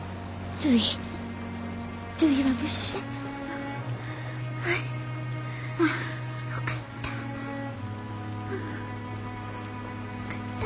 よかった。